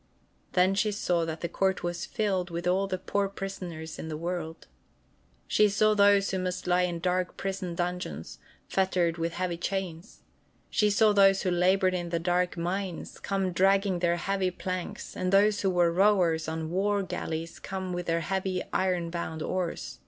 Then she saw that the court was filled with all the poor prisoners in the world. She saw those who must lie in dark prison dungeons, fettered with heavy chains; she saw those who labored in the dark mines come dragging their heavy planks, and those who were rowers on war galleys come with their heavy iron bound oars.